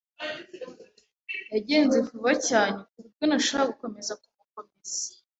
Yagenze vuba cyane kuburyo ntashobora gukomeza kumukomeza.